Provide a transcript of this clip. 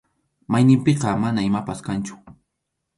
Mayninpiqa mana imapas kanchu.